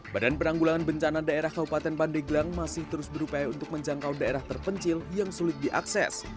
badan penanggulangan bencana daerah kabupaten pandeglang masih terus berupaya untuk menjangkau daerah terpencil yang sulit diakses